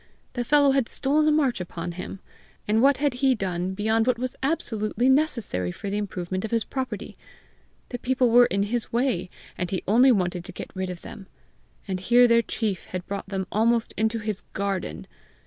The fellow had stolen a march upon him! And what had he done beyond what was absolutely necessary for the improvement of his property! The people were in his way, and he only wanted to get rid of them! And here their chief had brought them almost into his garden!